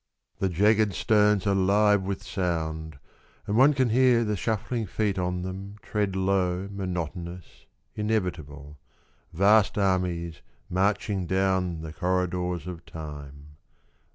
The jagged stones are live with sound, And one can hear the shuffling feet on them Tread low, monotonous, inevitable — Vast armies marching down the corridors of Time.